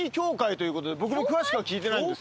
僕も詳しくは聞いてないんです。